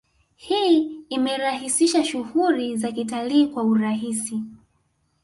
Hii imerahisisha shughuli za kitalii kwa urahisi